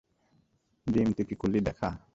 Gym, তুই কি করলি দেখ!